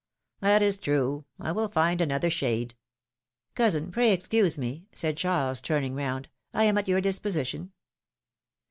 That is true ; I will find another shade." Cousin, pray excuse me," said Charles, turning round, am at your disposition."